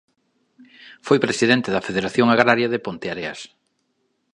Foi presidente da Federación Agraria de Ponteareas.